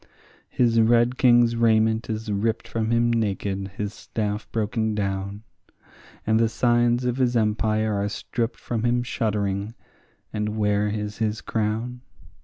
His red king's raiment is ripped from him naked, his staff broken down; And the signs of his empire are stripped from him shuddering; and where is his crown?